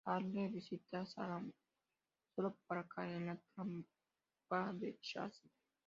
Caleb visita a Sarah solo para caer en la trampa de Chase.